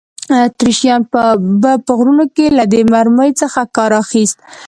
اتریشیانو به په غرونو کې له دې مرمۍ څخه کار اخیست.